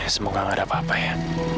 semoga gak ada apa apa ya